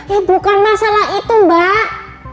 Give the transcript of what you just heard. eh bukan masalah itu mbak